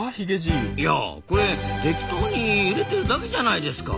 いやこれ適当に揺れてるだけじゃないですか。